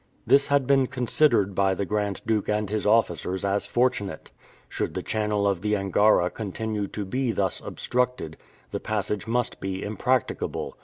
This had been considered by the Grand Duke and his officers as fortunate. Should the channel of the Angara continue to be thus obstructed, the passage must be impracticable.